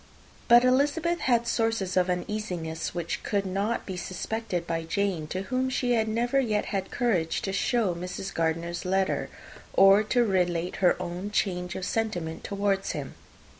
But Elizabeth had sources of uneasiness which could not yet be suspected by Jane, to whom she had never yet had courage to show Mrs. Gardiner's letter, or to relate her own change of sentiment towards him.